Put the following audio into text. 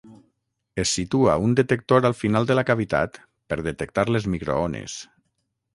Es situa un detector al final de la cavitat per detectar les microones.